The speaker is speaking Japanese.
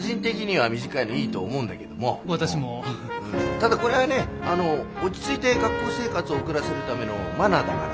ただこれはね落ち着いて学校生活を送らせるためのマナーだから。